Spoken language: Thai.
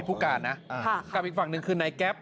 มันมีไฟเขียวมาหมดแล้ว